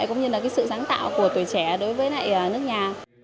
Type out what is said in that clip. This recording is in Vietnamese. cũng như sự sáng tạo của tuổi trẻ đối với nước nhà